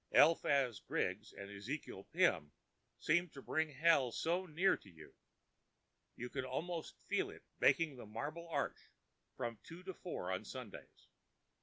Eliphaz Griggs and Ezekiel Pim seemed to bring Hell so near to you. You could almost feel it baking the Marble Arch from two to four on Sundays.